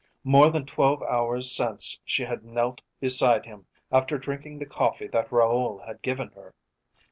More than twelve hours since she had knelt beside him after drinking the coffee that Raoul had given her.